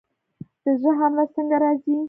د زړه حمله څنګه راځي؟